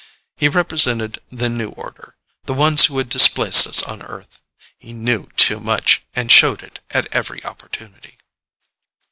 He represented the new order; the ones who had displaced us on Earth. He knew too much, and showed it at every opportunity.